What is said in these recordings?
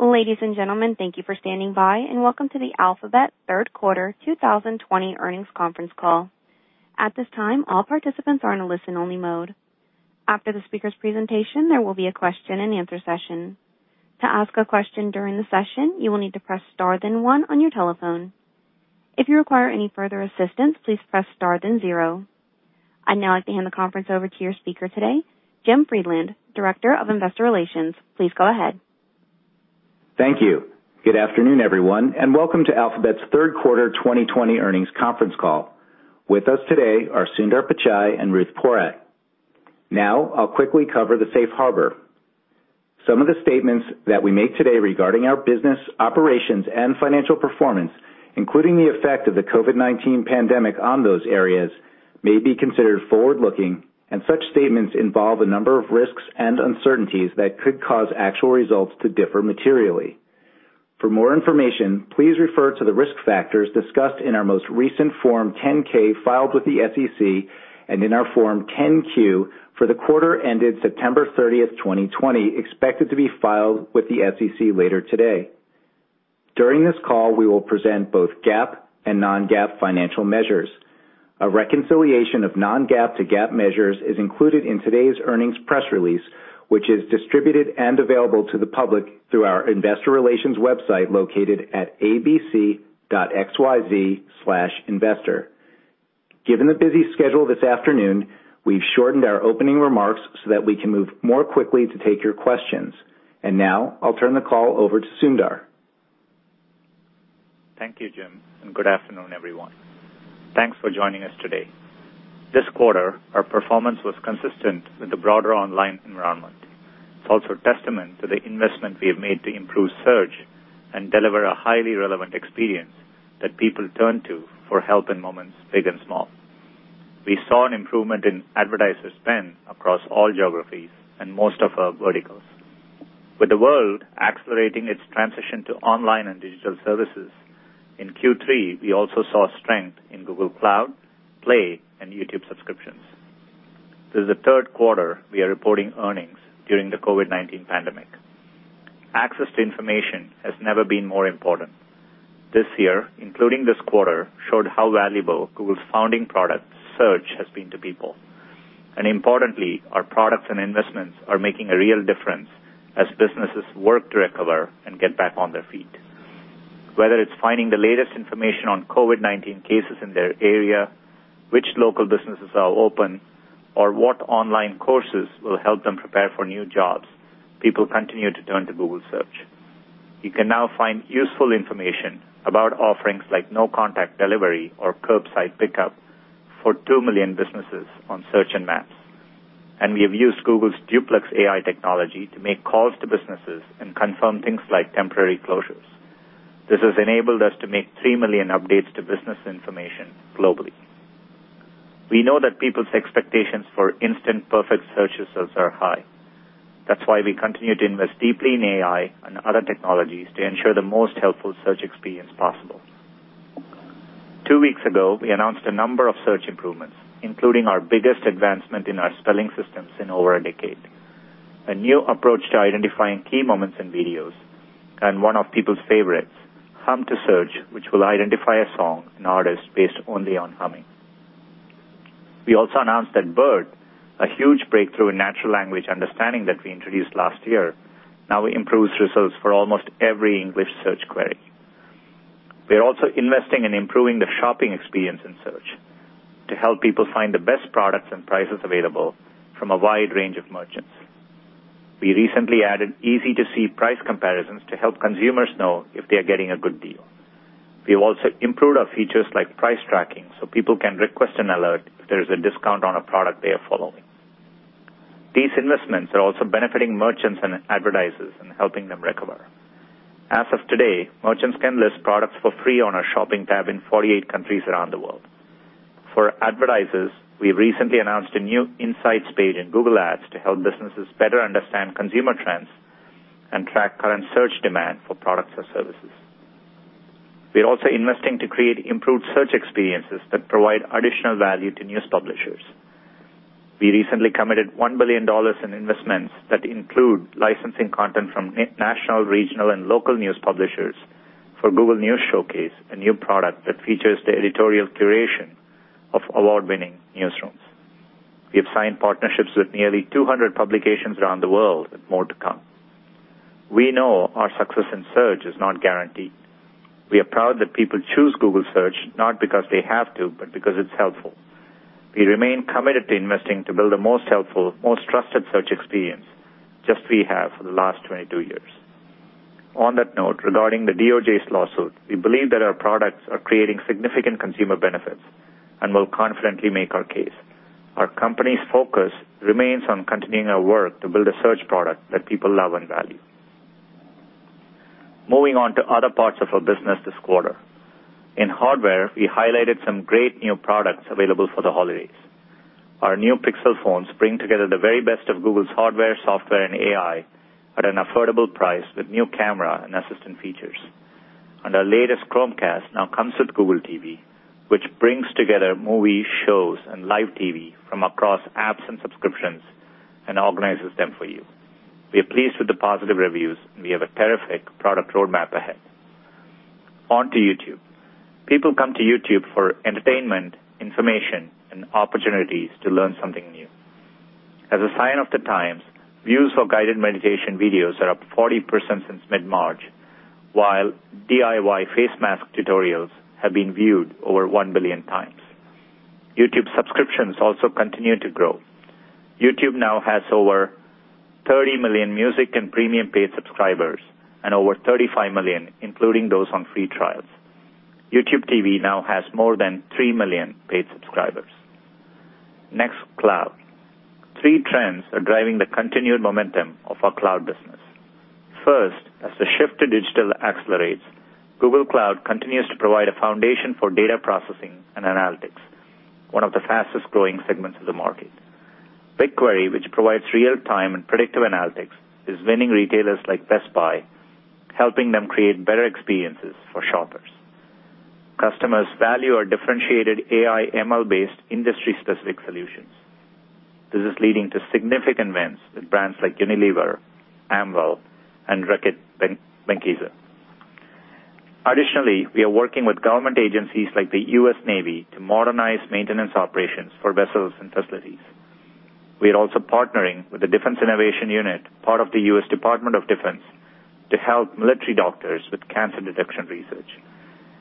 Ladies and gentlemen, thank you for standing by, and welcome to the Alphabet Third Quarter 2020 Earnings Conference Call. At this time, all participants are in a listen-only mode. After the speaker's presentation, there will be a question-and-answer session. To ask a question during the session, you will need to press star then one on your telephone. If you require any further assistance, please press star then zero. I'd now like to hand the conference over to your speaker today, Jim Friedland, Director of Investor Relations. Please go ahead. Thank you. Good afternoon, everyone, and welcome to Alphabet's Third Quarter 2020 Earnings Conference Call. With us today are Sundar Pichai and Ruth Porat. Now, I'll quickly cover the Safe Harbor. Some of the statements that we make today regarding our business operations and financial performance, including the effect of the COVID-19 pandemic on those areas, may be considered forward-looking, and such statements involve a number of risks and uncertainties that could cause actual results to differ materially. For more information, please refer to the risk factors discussed in our most recent Form 10-K filed with the SEC and in our Form 10-Q for the quarter ended September 30th, 2020, expected to be filed with the SEC later today. During this call, we will present both GAAP and non-GAAP financial measures. A reconciliation of non-GAAP to GAAP measures is included in today's earnings press release, which is distributed and available to the public through our investor relations website located at abc.xyz/investor. Given the busy schedule this afternoon, we've shortened our opening remarks so that we can move more quickly to take your questions. And now, I'll turn the call over to Sundar. Thank you, Jim, and good afternoon, everyone. Thanks for joining us today. This quarter, our performance was consistent with the broader online environment. It's also a testament to the investment we've made to improve Search and deliver a highly relevant experience that people turn to for help in moments big and small. We saw an improvement in advertiser spend across all geographies and most of our verticals. With the world accelerating its transition to online and digital services, in Q3, we also saw strength in Google Cloud, Play, and YouTube subscriptions. This is the third quarter we are reporting earnings during the COVID-19 pandemic. Access to information has never been more important. This year, including this quarter, showed how valuable Google's founding product, Search, has been to people, and importantly, our products and investments are making a real difference as businesses work to recover and get back on their feet. Whether it's finding the latest information on COVID-19 cases in their area, which local businesses are open, or what online courses will help them prepare for new jobs, people continue to turn to Google Search. You can now find useful information about offerings like no-contact delivery or curbside pickup for two million businesses on Search and Maps. And we have used Google's Duplex AI technology to make calls to businesses and confirm things like temporary closures. This has enabled us to make three million updates to business information globally. We know that people's expectations for instant, perfect search results are high. That's why we continue to invest deeply in AI and other technologies to ensure the most helpful Search experience possible. Two weeks ago, we announced a number of Search improvements, including our biggest advancement in our spelling systems in over a decade: a new approach to identifying key moments in videos, and one of people's favorites, Hum to Search, which will identify a song and artist based only on humming. We also announced that BERT, a huge breakthrough in natural language understanding that we introduced last year, now improves results for almost every English search query. We're also investing in improving the shopping experience in Search to help people find the best products and prices available from a wide range of merchants. We recently added easy-to-see price comparisons to help consumers know if they are getting a good deal. We've also improved our features like price tracking so people can request an alert if there is a discount on a product they are following. These investments are also benefiting merchants and advertisers and helping them recover. As of today, merchants can list products for free on our Shopping tab in 48 countries around the world. For advertisers, we recently announced a new Insights page in Google Ads to help businesses better understand consumer trends and track current search demand for products or services. We're also investing to create improved Search experiences that provide additional value to news publishers. We recently committed $1 billion in investments that include licensing content from national, regional, and local news publishers for Google News Showcase, a new product that features the editorial curation of award-winning newsrooms. We have signed partnerships with nearly 200 publications around the world, and more to come. We know our success in Search is not guaranteed. We are proud that people choose Google Search not because they have to, but because it's helpful. We remain committed to investing to build the most helpful, most trusted Search experience just as we have for the last 22 years. On that note, regarding the DOJ's lawsuit, we believe that our products are creating significant consumer benefits and will confidently make our case. Our company's focus remains on continuing our work to build a Search product that people love and value. Moving on to other parts of our business this quarter, in hardware, we highlighted some great new products available for the holidays. Our new Pixel phones bring together the very best of Google's hardware, software, and AI at an affordable price with new camera and Assistant features. And our latest Chromecast now comes with Google TV, which brings together movies, shows, and live TV from across apps and subscriptions and organizes them for you. We are pleased with the positive reviews, and we have a terrific product roadmap ahead. On to YouTube. People come to YouTube for entertainment, information, and opportunities to learn something new. As a sign of the times, views for guided meditation videos are up 40% since mid-March, while DIY face mask tutorials have been viewed over 1 billion times. YouTube subscriptions also continue to grow. YouTube now has over 30 million Music and Premium paid subscribers and over 35 million, including those on free trials. YouTube TV now has more than 3 million paid subscribers. Next, Cloud. Three trends are driving the continued momentum of our cloud business. First, as the shift to digital accelerates, Google Cloud continues to provide a foundation for data processing and analytics, one of the fastest-growing segments of the market. BigQuery, which provides real-time and predictive analytics, is winning retailers like Best Buy, helping them create better experiences for shoppers. Customers value our differentiated AI/ML-based industry-specific solutions. This is leading to significant wins with brands like Unilever, Amwell, and Reckitt Benckiser. Additionally, we are working with government agencies like the U.S. Navy to modernize maintenance operations for vessels and facilities. We are also partnering with the Defense Innovation Unit, part of the U.S. Department of Defense, to help military doctors with cancer detection research,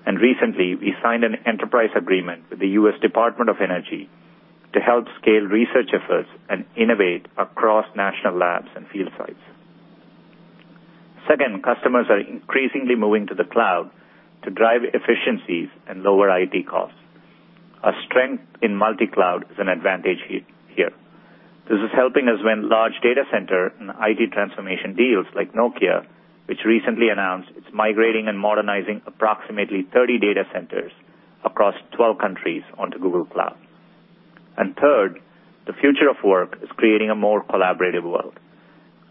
and recently, we signed an enterprise agreement with the U.S. Department of Energy to help scale research efforts and innovate across national labs and field sites. Second, customers are increasingly moving to the cloud to drive efficiencies and lower IT costs. A strength in multi-cloud is an advantage here. This is helping us win large data center and IT transformation deals like Nokia, which recently announced it's migrating and modernizing approximately 30 data centers across 12 countries onto Google Cloud, and third, the future of work is creating a more collaborative world.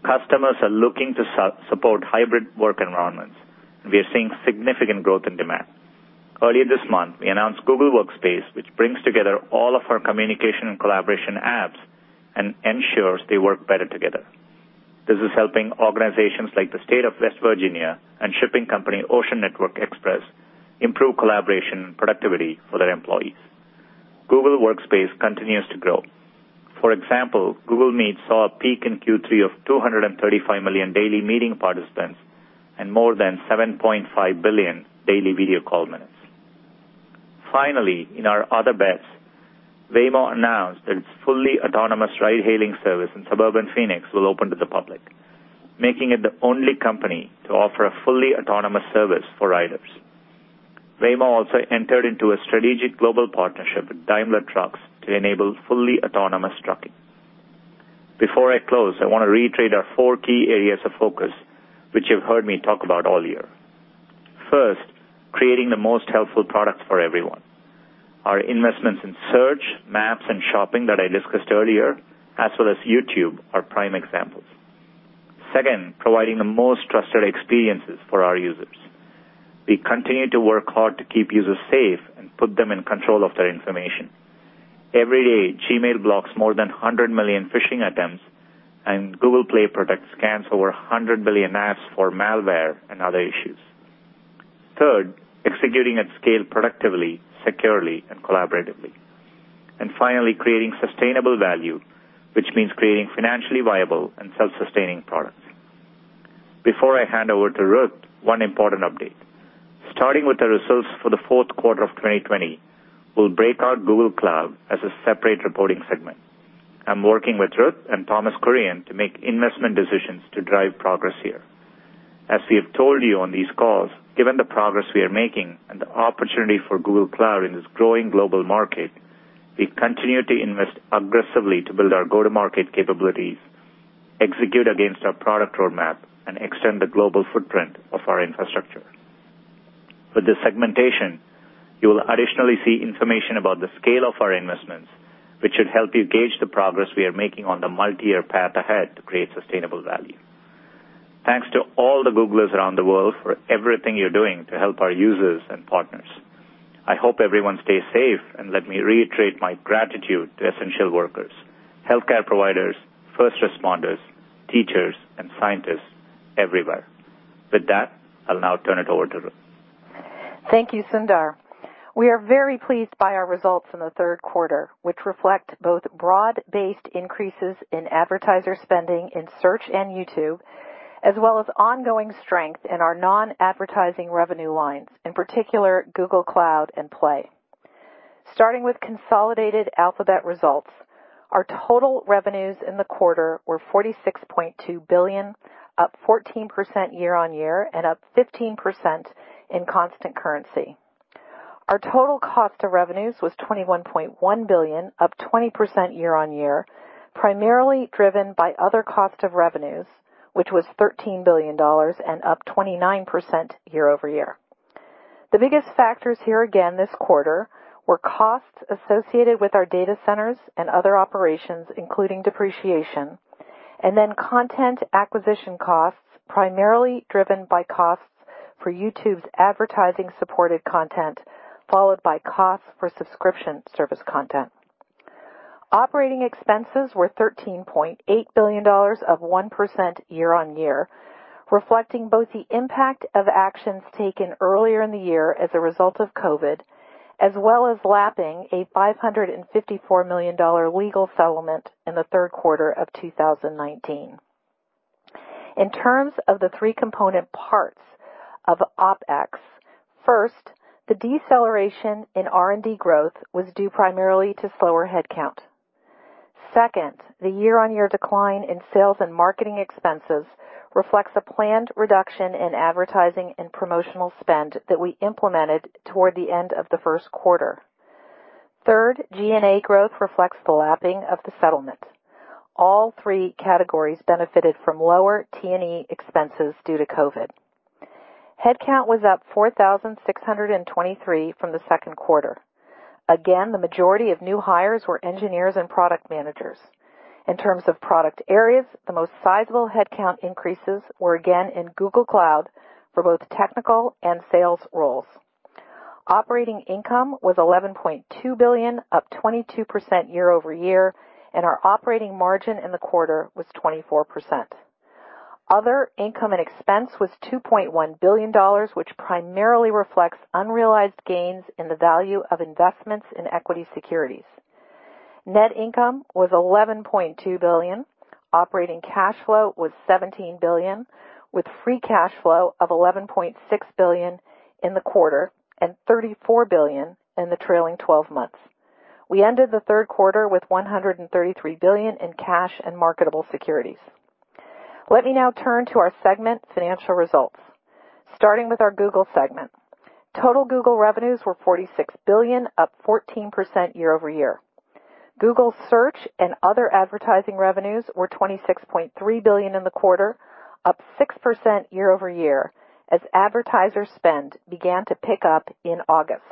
Customers are looking to support hybrid work environments, and we are seeing significant growth in demand. Earlier this month, we announced Google Workspace, which brings together all of our communication and collaboration apps and ensures they work better together. This is helping organizations like the State of West Virginia and shipping company Ocean Network Express improve collaboration and productivity for their employees. Google Workspace continues to grow. For example, Google Meet saw a peak in Q3 of 235 million daily meeting participants and more than 7.5 billion daily video call minutes. Finally, in our Other Bets, Waymo announced that its fully autonomous ride-hailing service in suburban Phoenix will open to the public, making it the only company to offer a fully autonomous service for riders. Waymo also entered into a strategic global partnership with Daimler Truck to enable fully autonomous trucking. Before I close, I want to reiterate our four key areas of focus, which you've heard me talk about all year. First, creating the most helpful products for everyone. Our investments in Search, Maps, and Shopping that I discussed earlier, as well as YouTube, are prime examples. Second, providing the most trusted experiences for our users. We continue to work hard to keep users safe and put them in control of their information. Every day, Gmail blocks more than 100 million phishing attempts, and Google Play Protect scans over 100 million apps for malware and other issues. Third, executing at scale productively, securely, and collaboratively. And finally, creating sustainable value, which means creating financially viable and self-sustaining products. Before I hand over to Ruth, one important update. Starting with the results for the fourth quarter of 2020, we'll break out Google Cloud as a separate reporting segment. I'm working with Ruth and Thomas Kurian to make investment decisions to drive progress here. As we have told you on these calls, given the progress we are making and the opportunity for Google Cloud in this growing global market, we continue to invest aggressively to build our go-to-market capabilities, execute against our product roadmap, and extend the global footprint of our infrastructure. With this segmentation, you will additionally see information about the scale of our investments, which should help you gauge the progress we are making on the multi-year path ahead to create sustainable value. Thanks to all the Googlers around the world for everything you're doing to help our users and partners. I hope everyone stays safe, and let me reiterate my gratitude to essential workers: health care providers, first responders, teachers, and scientists everywhere. With that, I'll now turn it over to Ruth. Thank you, Sundar. We are very pleased by our results in the third quarter, which reflect both broad-based increases in advertiser spending in Search and YouTube, as well as ongoing strength in our non-advertising revenue lines, in particular Google Cloud and Play. Starting with consolidated Alphabet results, our total revenues in the quarter were $46.2 billion, up 14% year on year, and up 15% in constant currency. Our total cost of revenues was $21.1 billion, up 20% year on year, primarily driven by other cost of revenues, which was $13 billion and up 29% year over year. The biggest factors here again this quarter were costs associated with our data centers and other operations, including depreciation, and then content acquisition costs, primarily driven by costs for YouTube's advertising-supported content, followed by costs for subscription service content. Operating expenses were $13.8 billion, up 1% year-on-year, reflecting both the impact of actions taken earlier in the year as a result of COVID, as well as lapping a $554 million legal settlement in the third quarter of 2019. In terms of the three-component parts of OpEx, first, the deceleration in R&D growth was due primarily to slower headcount. Second, the year-on-year decline in sales and marketing expenses reflects a planned reduction in advertising and promotional spend that we implemented toward the end of the first quarter. Third, G&A growth reflects the lapping of the settlement. All three categories benefited from lower T&E expenses due to COVID. Headcount was up 4,623 from the second quarter. Again, the majority of new hires were engineers and product managers. In terms of product areas, the most sizable headcount increases were again in Google Cloud for both technical and sales roles. Operating income was $11.2 billion, up 22% year-over-year, and our operating margin in the quarter was 24%. Other Income and Expense was $2.1 billion, which primarily reflects unrealized gains in the value of investments in equity securities. Net income was $11.2 billion. Operating cash flow was $17 billion, with free cash flow of $11.6 billion in the quarter and $34 billion in the trailing 12 months. We ended the third quarter with $133 billion in cash and marketable securities. Let me now turn to our segment, financial results. Starting with our Google segment, total Google revenues were $46 billion, up 14% year-over-year. Google Search and other advertising revenues were $26.3 billion in the quarter, up 6% year-over-year, as advertiser spend began to pick up in August.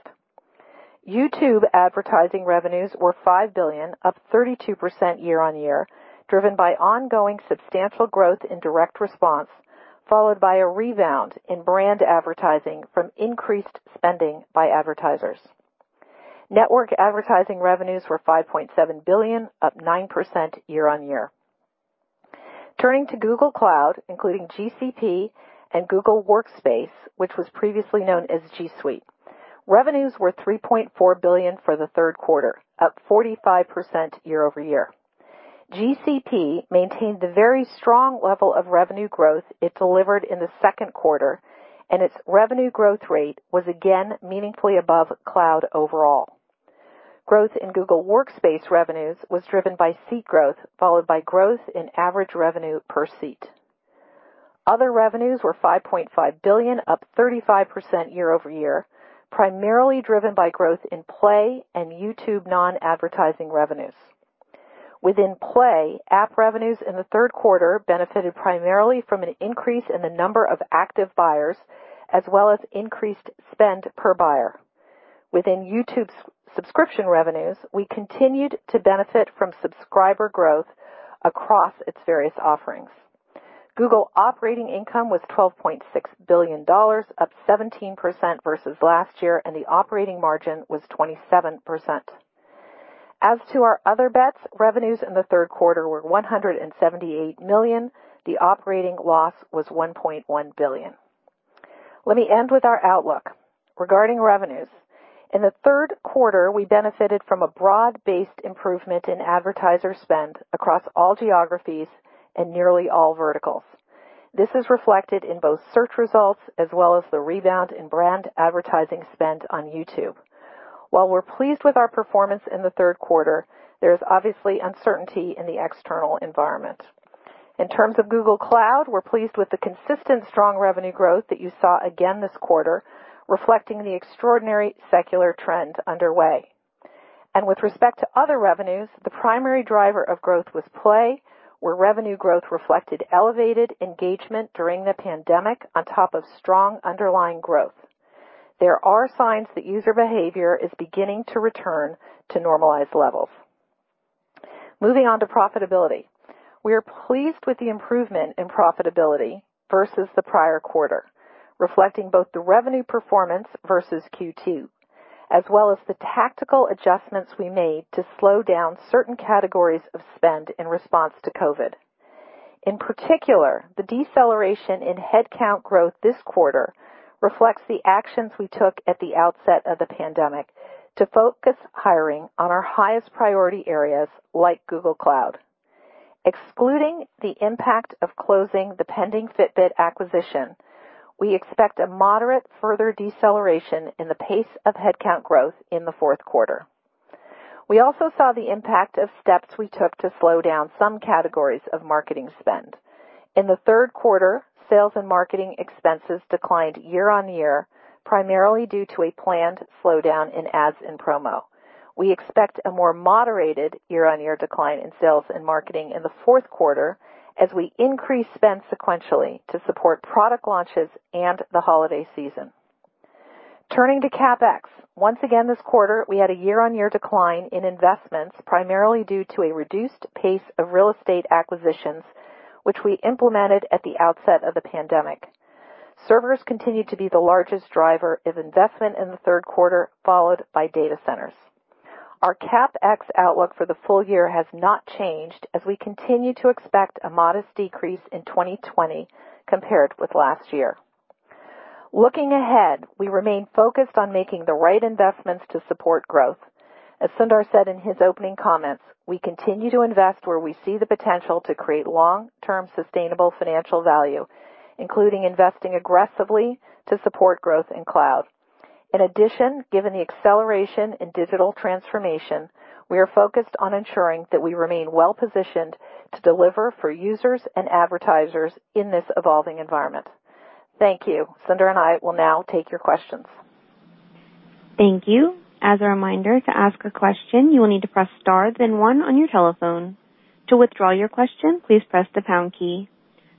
YouTube advertising revenues were $5 billion, up 32% year-on-year, driven by ongoing substantial growth in direct response, followed by a rebound in brand advertising from increased spending by advertisers. Network advertising revenues were $5.7 billion, up 9% year-on-year. Turning to Google Cloud, including GCP and Google Workspace, which was previously known as G Suite, revenues were $3.4 billion for the third quarter, up 45% year-over-year. GCP maintained the very strong level of revenue growth it delivered in the second quarter, and its revenue growth rate was again meaningfully above Cloud overall. Growth in Google Workspace revenues was driven by seat growth, followed by growth in average revenue per seat. Other revenues were $5.5 billion, up 35% year over year, primarily driven by growth in Play and YouTube non-advertising revenues. Within Play, app revenues in the third quarter benefited primarily from an increase in the number of active buyers, as well as increased spend per buyer. Within YouTube's subscription revenues, we continued to benefit from subscriber growth across its various offerings. Google operating income was $12.6 billion, up 17% versus last year, and the operating margin was 27%. As to our other bets, revenues in the third quarter were $178 million. The operating loss was $1.1 billion. Let me end with our outlook. Regarding revenues, in the third quarter, we benefited from a broad-based improvement in advertiser spend across all geographies and nearly all verticals. This is reflected in both Search results as well as the rebound in brand advertising spend on YouTube. While we're pleased with our performance in the third quarter, there is obviously uncertainty in the external environment. In terms of Google Cloud, we're pleased with the consistent strong revenue growth that you saw again this quarter, reflecting the extraordinary secular trend underway, and with respect to Other Revenues, the primary driver of growth was Play, where revenue growth reflected elevated engagement during the pandemic on top of strong underlying growth. There are signs that user behavior is beginning to return to normalized levels. Moving on to profitability, we are pleased with the improvement in profitability versus the prior quarter, reflecting both the revenue performance versus Q2, as well as the tactical adjustments we made to slow down certain categories of spend in response to COVID. In particular, the deceleration in headcount growth this quarter reflects the actions we took at the outset of the pandemic to focus hiring on our highest priority areas like Google Cloud. Excluding the impact of closing the pending Fitbit acquisition, we expect a moderate further deceleration in the pace of headcount growth in the fourth quarter. We also saw the impact of steps we took to slow down some categories of marketing spend. In the third quarter, sales and marketing expenses declined year-on-year, primarily due to a planned slowdown in ads and promo. We expect a more moderated year-on-year decline in sales and marketing in the fourth quarter as we increase spend sequentially to support product launches and the holiday season. Turning to CapEx, once again this quarter, we had a year-on-year decline in investments, primarily due to a reduced pace of real estate acquisitions, which we implemented at the outset of the pandemic. Servers continued to be the largest driver of investment in the third quarter, followed by data centers. Our CapEx outlook for the full year has not changed as we continue to expect a modest decrease in 2020 compared with last year. Looking ahead, we remain focused on making the right investments to support growth. As Sundar said in his opening comments, we continue to invest where we see the potential to create long-term sustainable financial value, including investing aggressively to support growth in Cloud. In addition, given the acceleration in digital transformation, we are focused on ensuring that we remain well-positioned to deliver for users and advertisers in this evolving environment. Thank you. Sundar and I will now take your questions. Thank you. As a reminder, to ask a question, you will need to press star then one on your telephone. To withdraw your question, please press the pound key.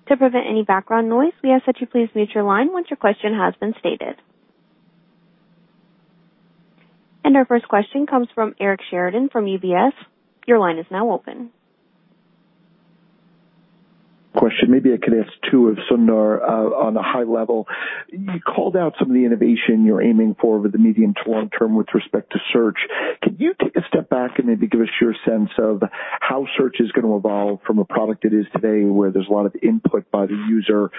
To prevent any background noise, we ask that you please mute your line once your question has been stated. And our first question comes from Eric Sheridan from UBS. Your line is now open. Maybe I could ask Sundar two on a high level. You called out some of the innovation you're aiming for over the medium to long term with respect to Search. Could you take a step back and maybe give us your sense of how Search is going to evolve from a product it is today, where there's a lot of input by the user,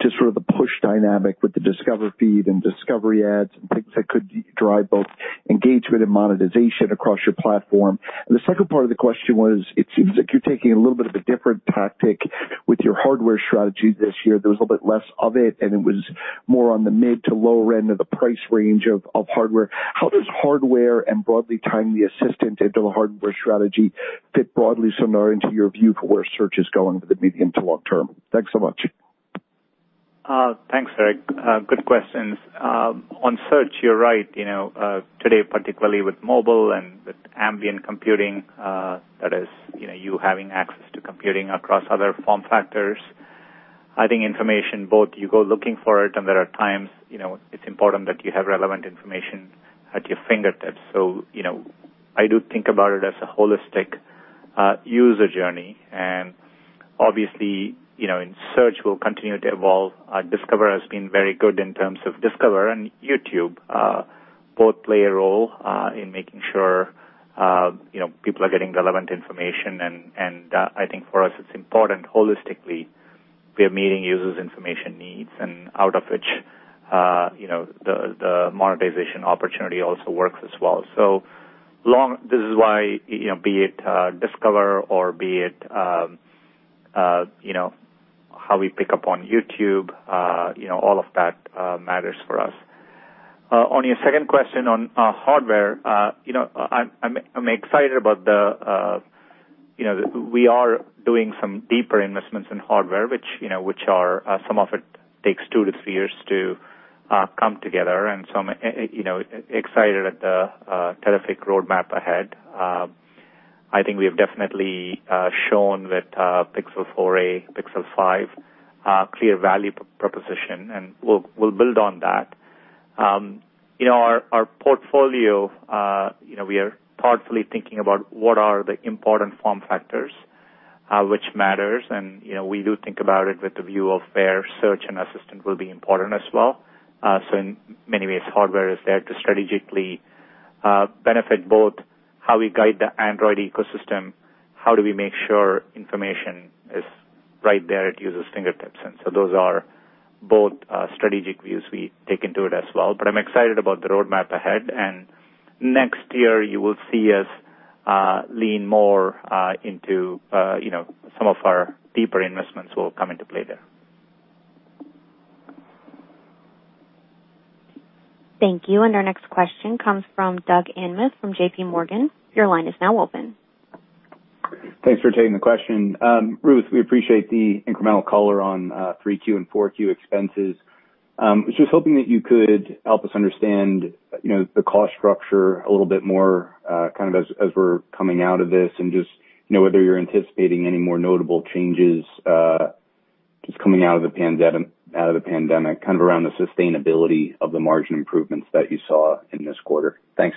to sort of the "push" dynamic with the Discover feed and Discovery ads and things that could drive both engagement and monetization across your platform? The second part of the question was, it seems like you're taking a little bit of a different tactic with your hardware strategy this year. There was a little bit less of it, and it was more on the mid-to-lower end of the price range of hardware. How does hardware and broadly tying the Assistant into the hardware strategy fit broadly, Sundar, into your view for where Search is going for the medium- to long-term? Thanks so much. Thanks, Eric. Good questions. On Search, you're right. Today, particularly with mobile and with ambient computing, that is, you having access to computing across other form factors, I think information, both you go looking for it, and there are times it's important that you have relevant information at your fingertips, so I do think about it as a holistic user journey, and obviously, Search will continue to evolve. Discover has been very good in terms of Discover and YouTube. Both play a role in making sure people are getting relevant information, and I think for us, it's important holistically we are meeting users' information needs, and out of which the monetization opportunity also works as well, so this is why, be it Discover or be it how we pick up on YouTube, all of that matters for us. On your second question on hardware, I'm excited about what we are doing, some deeper investments in hardware, which some of it takes two to three years to come together. And so I'm excited at the terrific roadmap ahead. I think we have definitely shown with Pixel 4a, Pixel 5, clear value proposition, and we'll build on that. In our portfolio, we are thoughtfully thinking about what are the important form factors, which matters. And we do think about it with the view of where Search and Assistant will be important as well. So in many ways, hardware is there to strategically benefit both how we guide the Android ecosystem, how do we make sure information is right there at users' fingertips. And so those are both strategic views we take into it as well. But I'm excited about the roadmap ahead. Next year, you will see us lean more into some of our deeper investments that will come into play there. Thank you. And our next question comes from Doug Anmuth from J.P. Morgan. Your line is now open. Thanks for taking the question. Ruth, we appreciate the incremental color on Q3 and Q4 expenses. Just hoping that you could help us understand the cost structure a little bit more, kind of as we're coming out of this, and just whether you're anticipating any more notable changes just coming out of the pandemic, kind of around the sustainability of the margin improvements that you saw in this quarter. Thanks.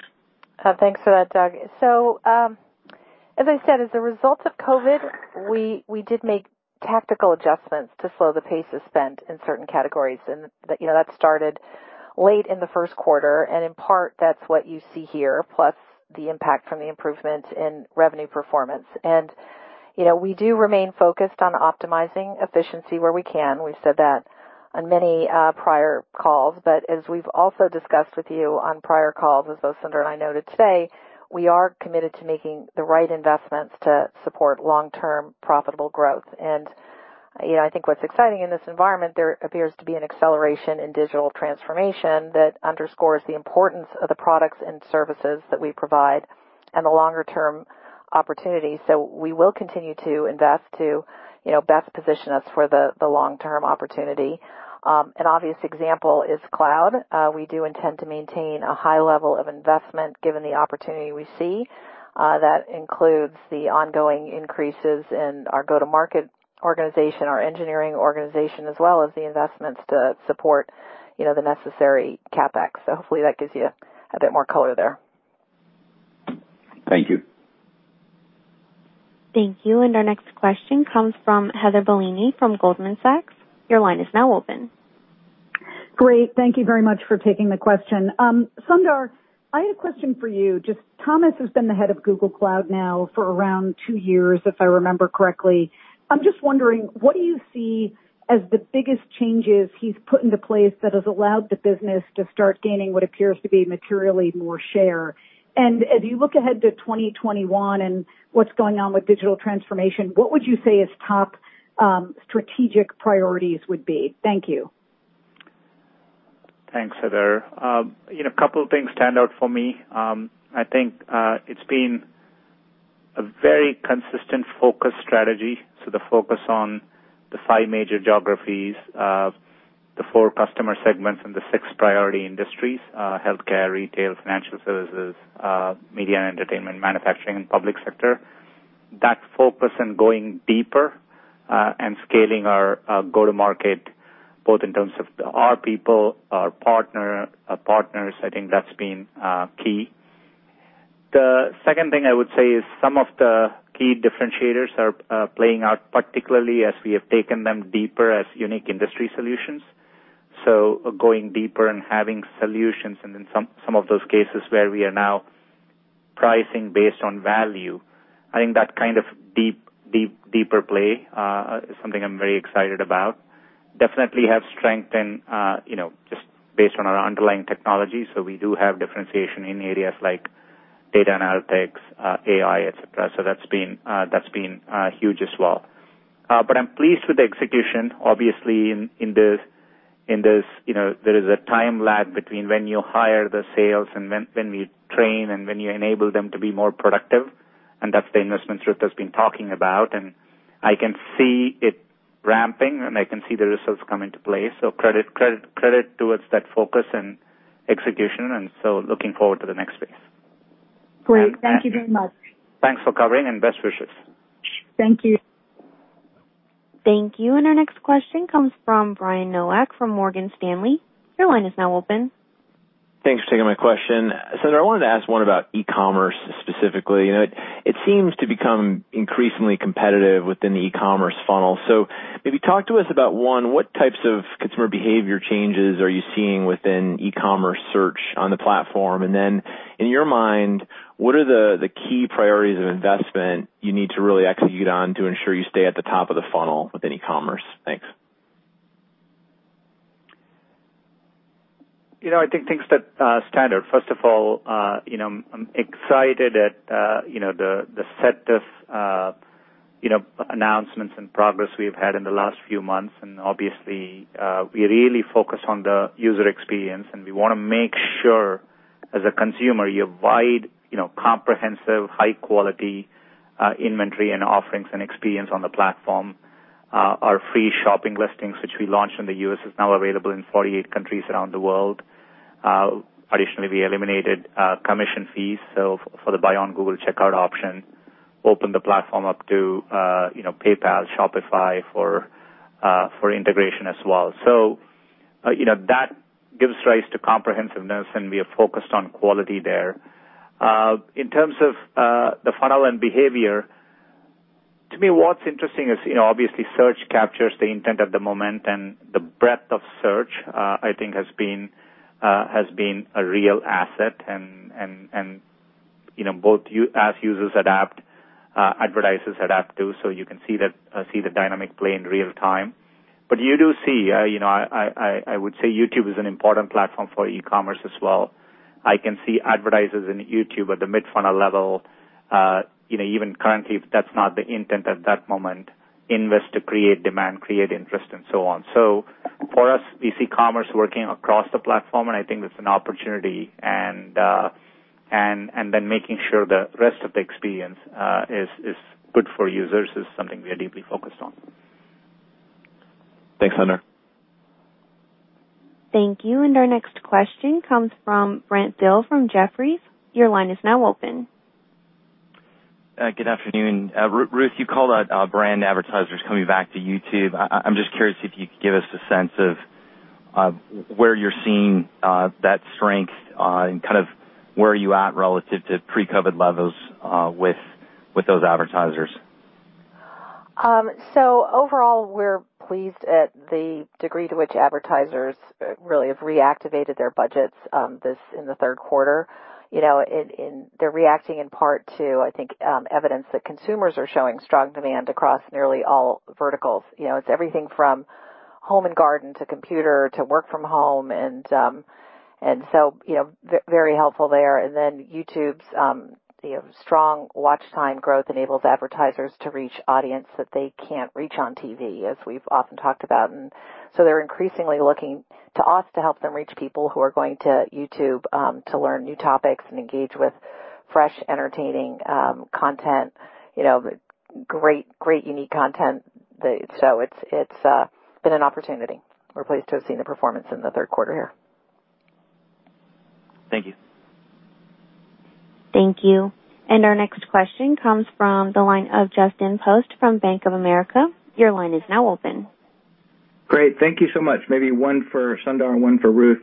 Thanks for that, Doug. So as I said, as a result of COVID, we did make tactical adjustments to slow the pace of spend in certain categories. And that started late in the first quarter. And in part, that's what you see here, plus the impact from the improvement in revenue performance. And we do remain focused on optimizing efficiency where we can. We've said that on many prior calls. But as we've also discussed with you on prior calls, as both Sundar and I noted today, we are committed to making the right investments to support long-term profitable growth. And I think what's exciting in this environment, there appears to be an acceleration in digital transformation that underscores the importance of the products and services that we provide and the longer-term opportunity. So we will continue to invest to best position us for the long-term opportunity. An obvious example is Cloud. We do intend to maintain a high level of investment given the opportunity we see. That includes the ongoing increases in our go-to-market organization, our engineering organization, as well as the investments to support the necessary CapEx. So hopefully, that gives you a bit more color there. Thank you. Thank you. And our next question comes from Heather Bellini from Goldman Sachs. Your line is now open. Great. Thank you very much for taking the question. Sundar, I had a question for you. Just Thomas has been the head of Google Cloud now for around two years, if I remember correctly. I'm just wondering, what do you see as the biggest changes he's put into place that has allowed the business to start gaining what appears to be materially more share? And as you look ahead to 2021 and what's going on with digital transformation, what would you say his top strategic priorities would be? Thank you. Thanks, Heather. A couple of things stand out for me. I think it's been a very consistent focus strategy. So the focus on the five major geographies, the four customer segments, and the six priority industries: Healthcare, Retail, Financial Services, Media and Entertainment, Manufacturing, and Public Sector. That focus and going deeper and scaling our go-to-market, both in terms of our people, our partners, I think that's been key. The second thing I would say is some of the key differentiators are playing out, particularly as we have taken them deeper as unique industry solutions. So going deeper and having solutions, and in some of those cases where we are now pricing based on value, I think that kind of deep, deep, deeper play is something I'm very excited about. Definitely have strengthened just based on our underlying technology. So we do have differentiation in areas like data analytics, AI, etc. So that's been huge as well. But I'm pleased with the execution. Obviously, in this, there is a time lag between when you hire the sales and when we train and when you enable them to be more productive. And that's the investment Ruth that's been talking about. And I can see it ramping, and I can see the results come into play. So credit towards that focus and execution. And so looking forward to the next phase. Great. Thank you very much. Thanks for covering and best wishes. Thank you. Thank you. And our next question comes from Brian Nowak from Morgan Stanley. Your line is now open. Thanks for taking my question. Sundar, I wanted to ask one about e-commerce specifically. It seems to become increasingly competitive within the e-commerce funnel. So maybe talk to us about, one, what types of consumer behavior changes are you seeing within e-commerce search on the platform? And then, in your mind, what are the key priorities of investment you need to really execute on to ensure you stay at the top of the funnel within e-commerce? Thanks. I think things that are standard. First of all, I'm excited at the set of announcements and progress we've had in the last few months, and obviously, we really focus on the user experience, and we want to make sure as a consumer, you have wide, comprehensive, high-quality inventory and offerings and experience on the platform. Our free shopping listings, which we launched in the U.S., are now available in 48 countries around the world. Additionally, we eliminated commission fees for the "Buy on Google" checkout option, opened the platform up to PayPal, Shopify for integration as well. So that gives rise to comprehensiveness, and we are focused on quality there. In terms of the funnel and behavior, to me, what's interesting is obviously Search captures the intent at the moment, and the breadth of Search, I think, has been a real asset, and both users adapt, advertisers adapt too. So you can see the dynamic play in real time. But you do see, I would say, YouTube is an important platform for e-commerce as well. I can see advertisers in YouTube at the mid-funnel level. Even currently, if that's not the intent at that moment, invest to create demand, create interest, and so on. So for us, we see commerce working across the platform, and I think it's an opportunity. And then making sure the rest of the experience is good for users is something we are deeply focused on. Thanks, Sundar. Thank you. And our next question comes from Brent Thill from Jefferies. Your line is now open. Good afternoon. Ruth, you called out brand advertisers coming back to YouTube. I'm just curious if you could give us a sense of where you're seeing that strength and kind of where you at relative to pre-COVID levels with those advertisers? So overall, we're pleased at the degree to which advertisers really have reactivated their budgets in the third quarter. They're reacting in part to, I think, evidence that consumers are showing strong demand across nearly all verticals. It's everything from Home and Garden to Computer to Work-from-Home. And so very helpful there. And then YouTube's strong watch time growth enables advertisers to reach audiences that they can't reach on TV, as we've often talked about. And so they're increasingly looking to us to help them reach people who are going to YouTube to learn new topics and engage with fresh, entertaining content, great, great unique content. So it's been an opportunity. We're pleased to have seen the performance in the third quarter here. Thank you. Thank you. And our next question comes from the line of Justin Post from Bank of America. Your line is now open. Great. Thank you so much. Maybe one for Sundar and one for Ruth.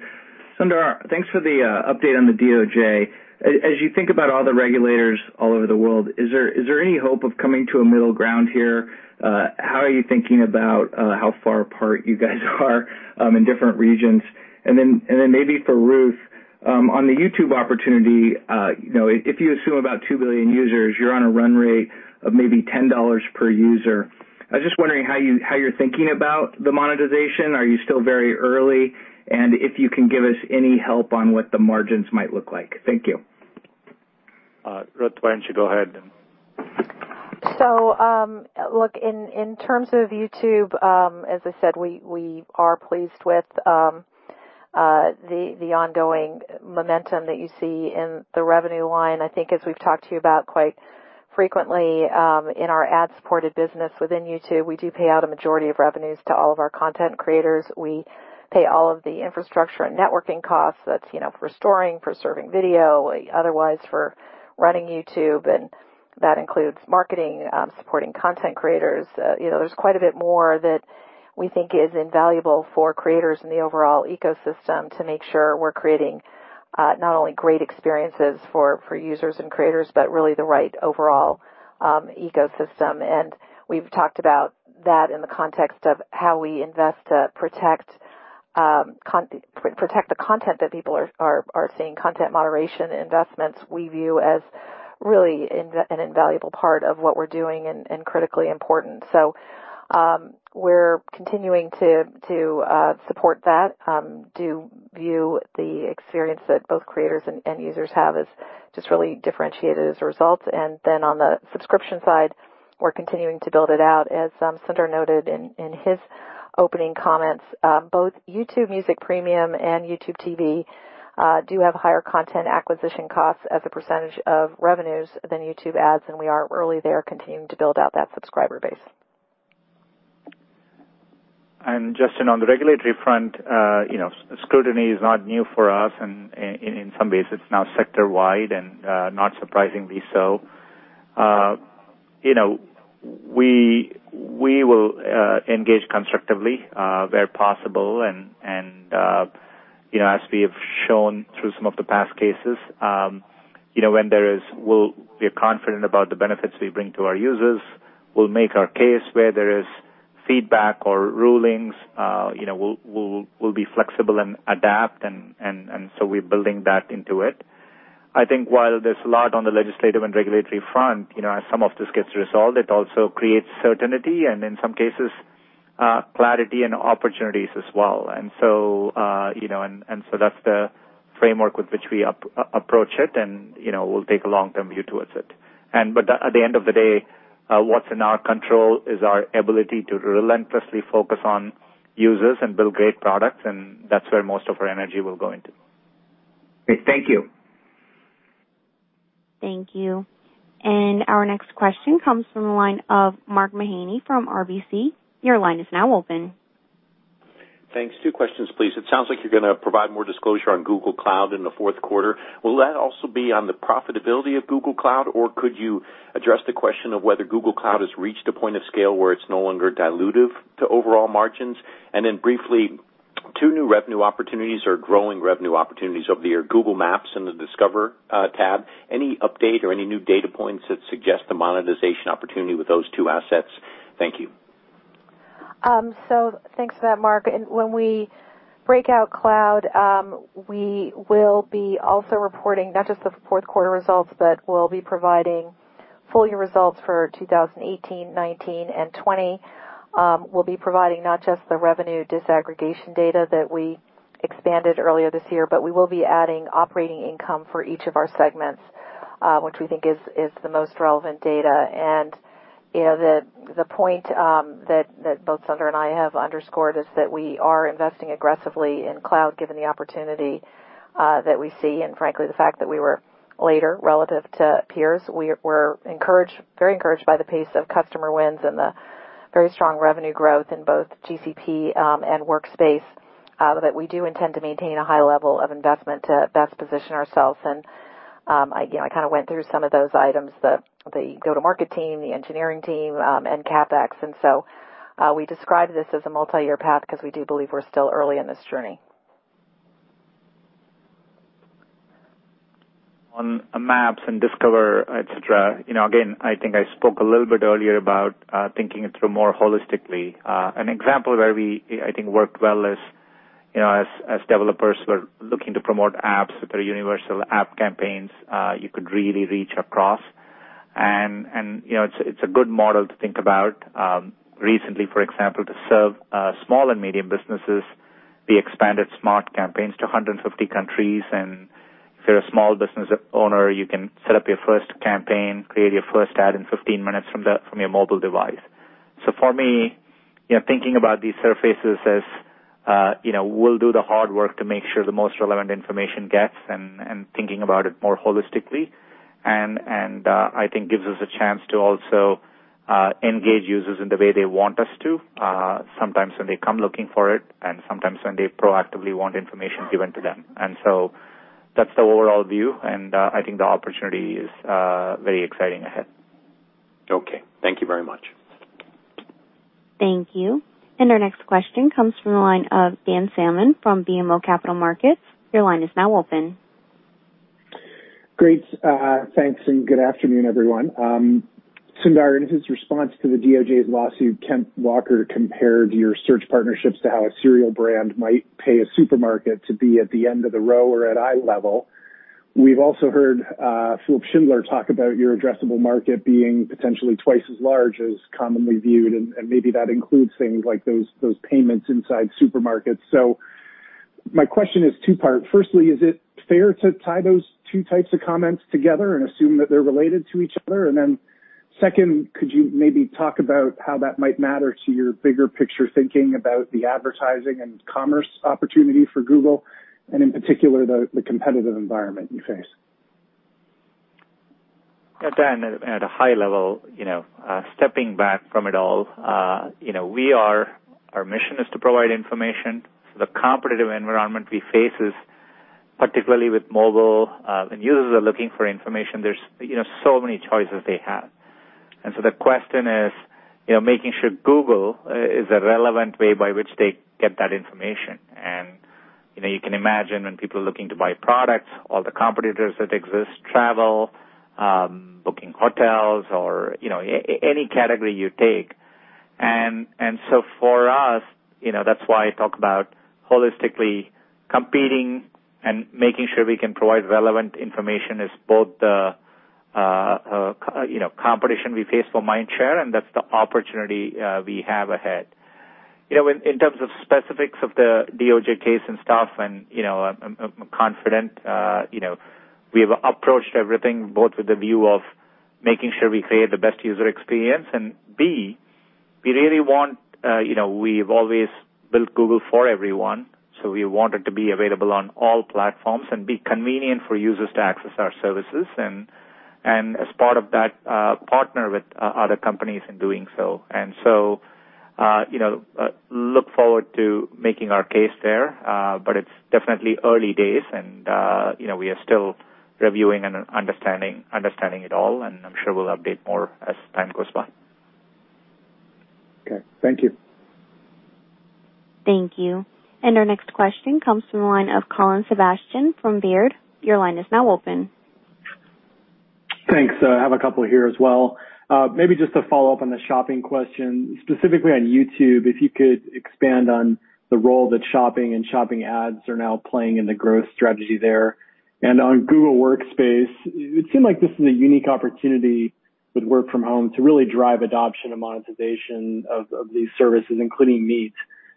Sundar, thanks for the update on the DOJ. As you think about all the regulators all over the world, is there any hope of coming to a middle ground here? How are you thinking about how far apart you guys are in different regions? And then maybe for Ruth, on the YouTube opportunity, if you assume about two billion users, you're on a run rate of maybe $10 per user. I was just wondering how you're thinking about the monetization. Are you still very early? And if you can give us any help on what the margins might look like. Thank you. Ruth, why don't you go ahead? So look, in terms of YouTube, as I said, we are pleased with the ongoing momentum that you see in the revenue line. I think as we've talked to you about quite frequently, in our ad-supported business within YouTube, we do pay out a majority of revenues to all of our content creators. We pay all of the infrastructure and networking costs. That's for storing, for serving video, otherwise for running YouTube. And that includes marketing, supporting content creators. There's quite a bit more that we think is invaluable for creators in the overall ecosystem to make sure we're creating not only great experiences for users and creators, but really the right overall ecosystem. And we've talked about that in the context of how we invest to protect the content that people are seeing. Content moderation investments we view as really an invaluable part of what we're doing and critically important. So we're continuing to support that, do view the experience that both creators and users have as just really differentiated as a result. And then on the subscription side, we're continuing to build it out. As Sundar noted in his opening comments, both YouTube Music Premium and YouTube TV do have higher Content Acquisition Costs as a percentage of revenues than YouTube ads. And we are early there continuing to build out that subscriber base. And Justin, on the regulatory front, scrutiny is not new for us. And in some ways, it's now sector-wide and not surprisingly so. We will engage constructively where possible. And as we have shown through some of the past cases, when there is, we're confident about the benefits we bring to our users. We'll make our case where there is feedback or rulings. We'll be flexible and adapt. And so we're building that into it. I think while there's a lot on the legislative and regulatory front, as some of this gets resolved, it also creates certainty and in some cases, clarity and opportunities as well. And so that's the framework with which we approach it. And we'll take a long-term view towards it. But at the end of the day, what's in our control is our ability to relentlessly focus on users and build great products. That's where most of our energy will go into. Great. Thank you. Thank you. And our next question comes from the line of Mark Mahaney from RBC. Your line is now open. Thanks. Two questions, please. It sounds like you're going to provide more disclosure on Google Cloud in the fourth quarter. Will that also be on the profitability of Google Cloud? Or could you address the question of whether Google Cloud has reached a point of scale where it's no longer dilutive to overall margins? And then briefly, two new revenue opportunities or growing revenue opportunities over the year: Google Maps and the Discover tab. Any update or any new data points that suggest a monetization opportunity with those two assets? Thank you. So thanks for that, Mark. And when we break out Cloud, we will be also reporting not just the fourth quarter results, but we'll be providing full-year results for 2018, 2019, and 2020. We'll be providing not just the revenue disaggregation data that we expanded earlier this year, but we will be adding operating income for each of our segments, which we think is the most relevant data. And the point that both Sundar and I have underscored is that we are investing aggressively in Cloud given the opportunity that we see. And frankly, the fact that we were later relative to peers, we're very encouraged by the pace of customer wins and the very strong revenue growth in both GCP and Workspace that we do intend to maintain a high level of investment to best position ourselves. I kind of went through some of those items: the go-to-market team, the engineering team, and CapEx. So we describe this as a multi-year path because we do believe we're still early in this journey. On Maps and Discover, etc., again, I think I spoke a little bit earlier about thinking through more holistically. An example where we, I think, worked well is, as developers were looking to promote apps with their Universal App Campaigns, you could really reach across, and it's a good model to think about. Recently, for example, to serve small and medium businesses, we expanded Smart campaigns to 150 countries, and if you're a small business owner, you can set up your first campaign, create your first ad in 15 minutes from your mobile device, so for me, thinking about these surfaces as we'll do the hard work to make sure the most relevant information gets and thinking about it more holistically. And I think gives us a chance to also engage users in the way they want us to, sometimes when they come looking for it and sometimes when they proactively want information given to them. And so that's the overall view. And I think the opportunity is very exciting ahead. Okay. Thank you very much. Thank you. And our next question comes from the line of Dan Salmon from BMO Capital Markets. Your line is now open. Great. Thanks. And good afternoon, everyone. Sundar, in his response to the DOJ's lawsuit, Kent Walker compared your search partnerships to how a cereal brand might pay a supermarket to be at the end of the row or at eye level. We've also heard Philipp Schindler talk about your addressable market being potentially twice as large as commonly viewed. And maybe that includes things like those payments inside supermarkets. So my question is two-part. Firstly, is it fair to tie those two types of comments together and assume that they're related to each other? And then second, could you maybe talk about how that might matter to your bigger picture thinking about the advertising and commerce opportunity for Google and in particular the competitive environment you face? Yeah. Dan, at a high level, stepping back from it all, our mission is to provide information. So the competitive environment we face is particularly with mobile. When users are looking for information, there's so many choices they have. And so the question is making sure Google is a relevant way by which they get that information. And you can imagine when people are looking to buy products, all the competitors that exist, travel, booking hotels, or any category you take. And so for us, that's why I talk about holistically competing and making sure we can provide relevant information is both the competition we face for mind share, and that's the opportunity we have ahead. In terms of specifics of the DOJ case and stuff, I'm confident we have approached everything both with the view of making sure we create the best user experience. And B, we really want. We have always built Google for everyone. So we want it to be available on all platforms and be convenient for users to access our services. And as part of that, partner with other companies in doing so. And so look forward to making our case there. But it's definitely early days. And we are still reviewing and understanding it all. And I'm sure we'll update more as time goes by. Okay. Thank you. Thank you. And our next question comes from the line of Colin Sebastian from Baird. Your line is now open. Thanks. I have a couple here as well. Maybe just to follow up on the shopping question, specifically on YouTube, if you could expand on the role that shopping and shopping ads are now playing in the growth strategy there. And on Google Workspace, it seemed like this is a unique opportunity with work-from-home to really drive adoption and monetization of these services, including Meet,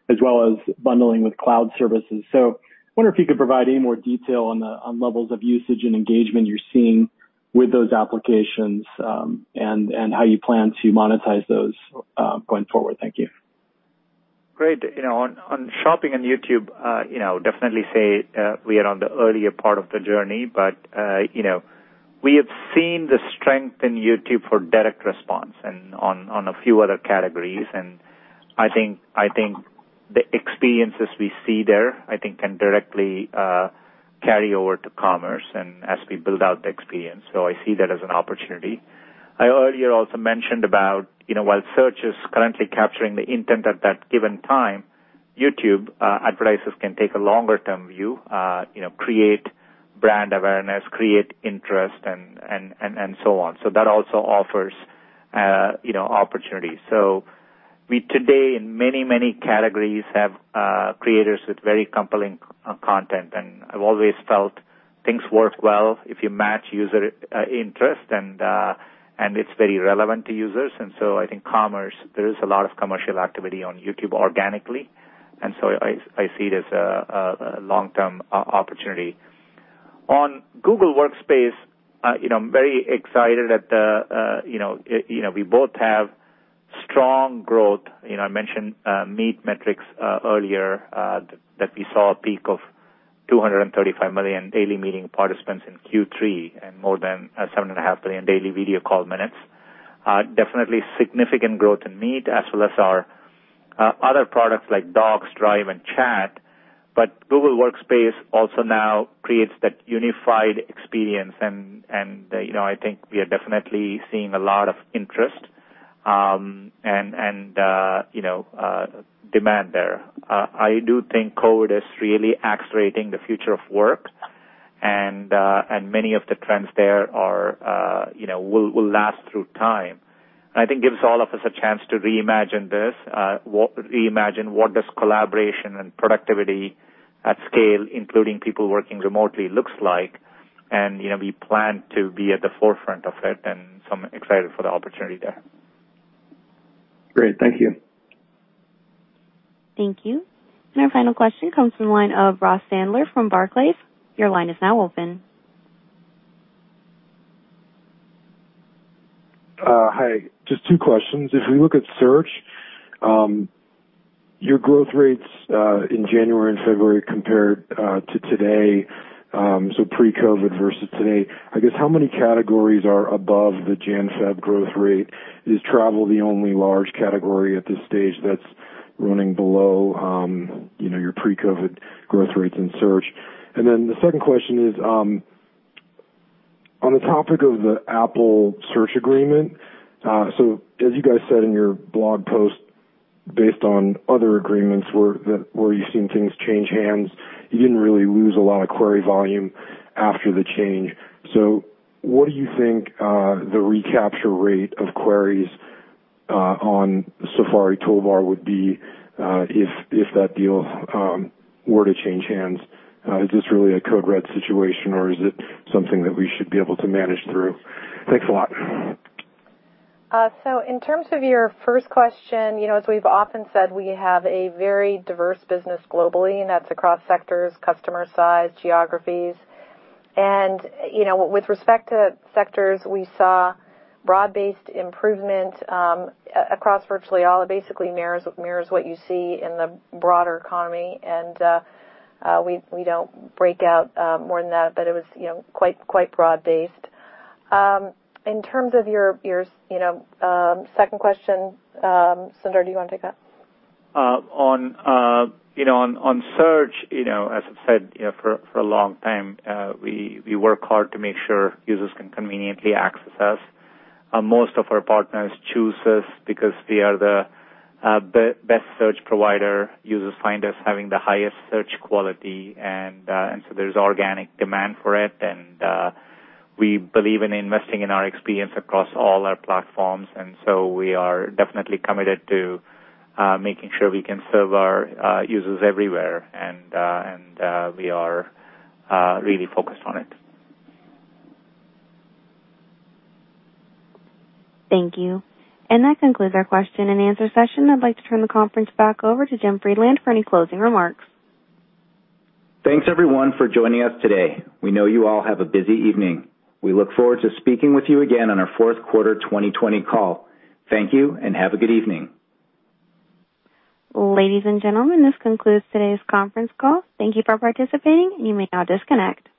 as well as bundling with cloud services. So I wonder if you could provide any more detail on the levels of usage and engagement you're seeing with those applications and how you plan to monetize those going forward. Thank you. Great. On shopping and YouTube, definitely say we are on the earlier part of the journey, but we have seen the strength in YouTube for direct response and on a few other categories, and I think the experiences we see there, I think, can directly carry over to commerce as we build out the experience, so I see that as an opportunity. I earlier also mentioned about while search is currently capturing the intent at that given time, YouTube advertisers can take a longer-term view, create brand awareness, create interest, and so on, so that also offers opportunities, so we today, in many, many categories, have creators with very compelling content, and I've always felt things work well if you match user interest, and it's very relevant to users, and so I think commerce, there is a lot of commercial activity on YouTube organically. So I see it as a long-term opportunity. On Google Workspace, I'm very excited that we both have strong growth. I mentioned Meet metrics earlier that we saw a peak of 235 million daily meeting participants in Q3 and more than 7.5 million daily video call minutes. Definitely significant growth in Meet as well as our other products like Docs, Drive, and Chat. But Google Workspace also now creates that unified experience. And I think we are definitely seeing a lot of interest and demand there. I do think COVID is really accelerating the future of work. And many of the trends there will last through time. And I think this gives all of us a chance to reimagine this, reimagine what this collaboration and productivity at scale, including people working remotely, looks like. And we plan to be at the forefront of it. I'm excited for the opportunity there. Great. Thank you. Thank you. And our final question comes from the line of Ross Sandler from Barclays. Your line is now open. Hi. Just two questions. If we look at search, your growth rates in January and February compared to today, so pre-COVID versus today, I guess how many categories are above the Jan/Feb growth rate? Is travel the only large category at this stage that's running below your pre-COVID growth rates in search? And then the second question is on the topic of the Apple search agreement. So as you guys said in your blog post, based on other agreements where you've seen things change hands, you didn't really lose a lot of query volume after the change. So what do you think the recapture rate of queries on Safari Toolbar would be if that deal were to change hands? Is this really a code red situation, or is it something that we should be able to manage through? Thanks a lot. In terms of your first question, as we've often said, we have a very diverse business globally, and that's across sectors, customer size, geographies. With respect to sectors, we saw broad-based improvement across virtually all. It basically mirrors what you see in the broader economy. We don't break out more than that, but it was quite broad-based. In terms of your second question, Sundar, do you want to take that? On search, as I've said for a long time, we work hard to make sure users can conveniently access us. Most of our partners choose us because we are the best search provider. Users find us having the highest search quality, and so there's organic demand for it, and we believe in investing in our experience across all our platforms, and we are definitely committed to making sure we can serve our users everywhere, and we are really focused on it. Thank you. And that concludes our question-and-answer session. I'd like to turn the conference back over to Jim Friedland for any closing remarks. Thanks, everyone, for joining us today. We know you all have a busy evening. We look forward to speaking with you again on our fourth quarter 2020 call. Thank you, and have a good evening. Ladies and gentlemen, this concludes today's conference call. Thank you for participating, and you may now disconnect.